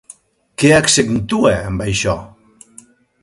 Què accentua amb això?